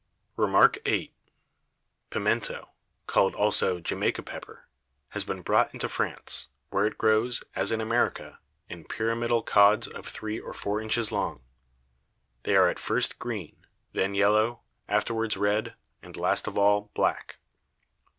REMARK VIII. Pimento, called also Jamaica Pepper, has been brought into France, where it grows, as in America, in pyramidal Cods of three or four Inches long: they are at first green, then yellow, afterwards red, and last of all, black.